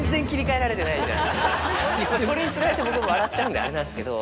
それに釣られて僕も笑っちゃうんであれなんすけど。